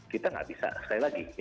kita nggak bisa sekali lagi